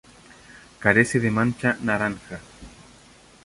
Carece de mancha naranja.